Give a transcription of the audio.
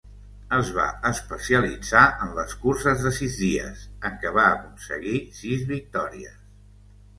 Es va especialitzar en les curses de sis dies, en què va aconseguir sis victòries.